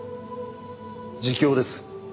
自供です。